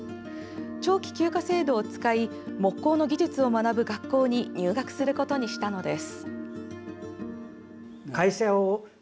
長期休暇制度を使い木工の技術を学ぶ学校に入学することにしたのです。